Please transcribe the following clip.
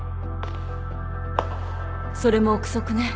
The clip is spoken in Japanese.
それも憶測ね。